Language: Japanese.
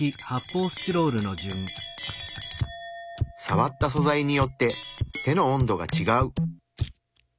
さわった素材によって手の温度がちがう。